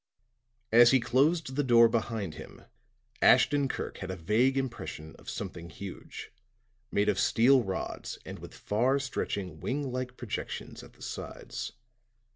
As he closed the door behind him, Ashton Kirk had a vague impression of something huge, made of steel rods and with far stretching wing like projections at the sides.